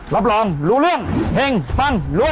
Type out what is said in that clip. รับรองรู้เรื่องเพลงฟังลุย